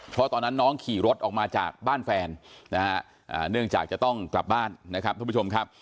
เพราะตอนนั้นน้องขี่รถออกมาจากบ้านแฟนนะฮะเนื่องจากจะต้องกลับบ้านนะครับทุกผู้ชมครับ